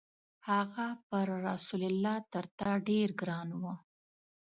هغه پر رسول الله تر تا ډېر ګران و.